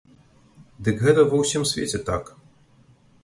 Дык гэта ва ўсім свеце так.